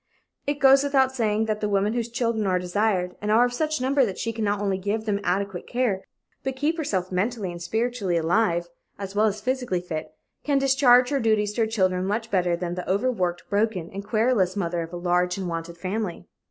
It goes without saying that the woman whose children are desired and are of such number that she can not only give them adequate care but keep herself mentally and spiritually alive, as well as physically fit, can discharge her duties to her children much better than the overworked, broken and querulous mother of a large, unwanted family.